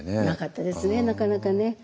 なかったですねなかなかね。